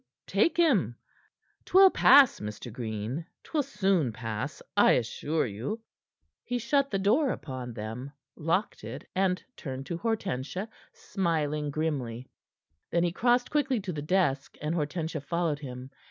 Take him. 'Twill pass, Mr. Green. 'Twill soon pass, I assure you." He shut the door upon them, locked it, and turned to Hortensia, smiling grimly. Then he crossed quickly to the desk, and Hortensia followed him.